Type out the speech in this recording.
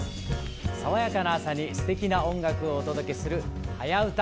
爽やかな朝にすてきな音楽をお届けする「はやウタ」。